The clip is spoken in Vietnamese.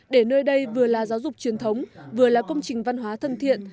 để nơi đây vừa là giáo dục truyền thống vừa là công trình văn hóa thân thiện